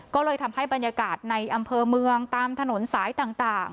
ก็เลยทำให้บรรยากาศในอำเภอเมืองตามถนนสายต่าง